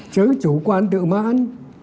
chứ chủ quan tự mãn